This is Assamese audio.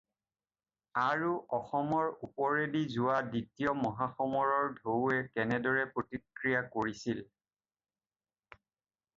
আৰু অসমৰ ওপৰেদি যোৱা দ্বিতীয় মহাসমৰৰ ঢৌৱে কেনেদৰে প্ৰতিক্ৰিয়া কৰিছিল